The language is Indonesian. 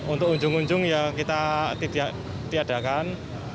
untuk unjung unjung ya kita tiadakan